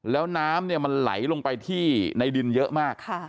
แล้วน้ำมันไหลลงไปที่ในดินเยอะมาก